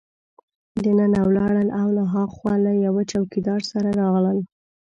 دننه ولاړل او له هاخوا له یوه چوکیدار سره راغلل.